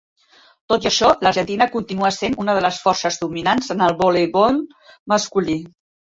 Tot i això, l'Argentina continua sent una de les forces dominants en el voleibol masculí.